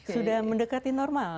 sudah mendekati normal